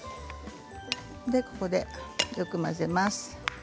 ここでよく混ぜます。